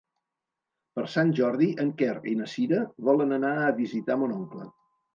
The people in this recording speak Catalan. Per Sant Jordi en Quer i na Cira volen anar a visitar mon oncle.